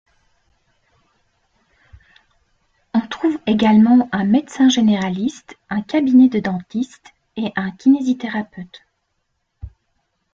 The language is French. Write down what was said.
On trouve également un médecin généraliste, un cabinet de dentistes et un kinésithérapeute.